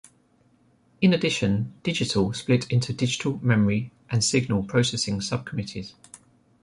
In addition, Digital split into Digital, Memory and Signal Processing subcommittees.